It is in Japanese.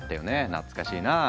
懐かしいな。